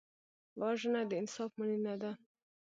وژنه د انصاف مړینه ده